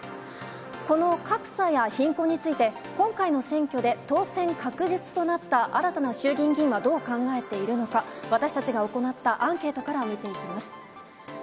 この格差や貧困について、今回の選挙で当選確実となった新たな衆議院議員はどう考えているのか、私たちが行ったアンケートから見ていきます。